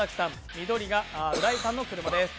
緑が浦井さんの車です。